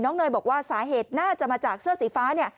น้องเนยบอกว่าสาเหตุน่าจะมาจากเสื้อสีฟ้า